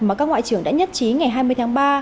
mà các ngoại trưởng đã nhất trí ngày hai mươi tháng ba